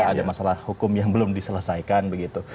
ada masalah hukum yang belum diselesaikan begitu